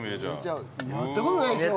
やった事ないでしょ？